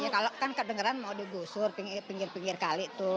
ya kalau kan kedengeran mau digusur pinggir pinggir kali tuh